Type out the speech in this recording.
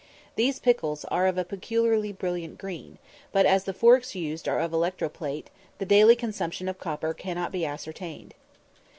These pickles are of a peculiarly brilliant green, but, as the forks used are of electro plate, the daily consumption of copper cannot be ascertained.